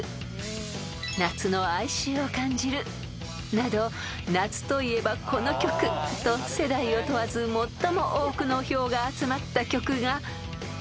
［など夏といえばこの曲！と世代を問わず最も多くの票が集まった曲が］